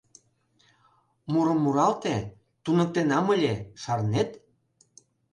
Мурым муралте, туныктенам ыле, шарнет?